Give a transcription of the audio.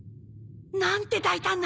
なんて大胆な！